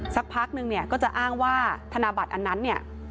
สักพักนึงเนี่ยก็จะอ้างว่าธนบัตรอันนั้นเนี่ย